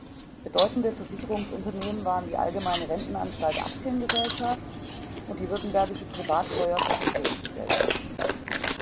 Bedeutende Versicherungsunternehmen waren die Allgemeine Rentenanstalt Actien-Gesellschaft und die Württembergische Privat-Feuer-Versicherungs-Gesellschaft.